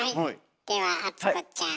では淳子ちゃん。